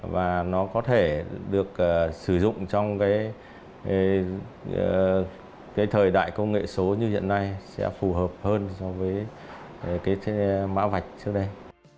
và nó có thể được sử dụng trong cái thời đại công nghệ số như hiện nay sẽ phù hợp hơn so với cái mã vạch trước đây